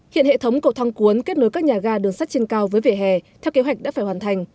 hiện hệ thống cầu thang cuốn kết nối các nhà ga đường sắt trên cao với vỉa hè theo kế hoạch đã phải hoàn thành